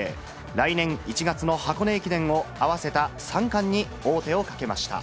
来年１月の箱根駅伝を合わせた３冠に王手をかけました。